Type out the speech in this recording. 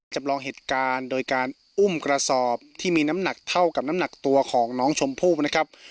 จำลองเหตุการณ์โดยการอุ้มกระสอบที่มีน้ำหนักเท่ากับน้ำหนักตัวของน้องชมพู่นะครับ